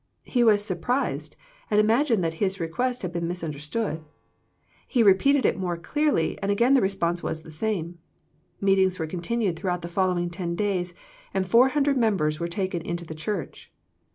He was sur prised, and imagined that his request had been misunderstood. He repeated it more clearly, and again the response was the same. Meetings were continued throughout the following ten days, and four hundred members were taken into the church.